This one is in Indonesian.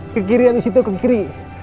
kekirian di situ ke kiri